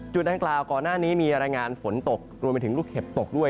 ดังกล่าวก่อนหน้านี้มีรายงานฝนตกรวมไปถึงลูกเห็บตกด้วย